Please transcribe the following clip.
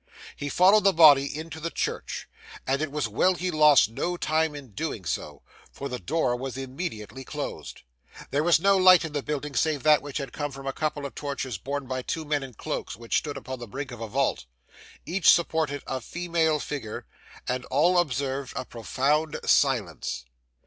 He followed the body into the church, and it was well he lost no time in doing so, for the door was immediately closed. There was no light in the building save that which came from a couple of torches borne by two men in cloaks, who stood upon the brink of a vault. Each supported a female figure, and all observed a profound silence.